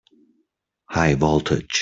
High voltage!